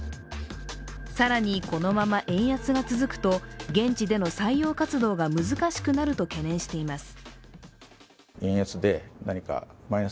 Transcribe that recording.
更に、このまま円安が続くと現地での採用活動が難しくなると懸念しています。